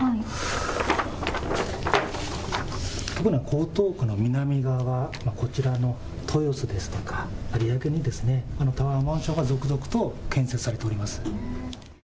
江東区の南側、豊洲ですとか有明にタワーマンションが続々と建設されています。